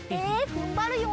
ふんばるよ。